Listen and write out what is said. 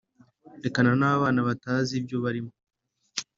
Rekana nabo bana batazi ibyo barimo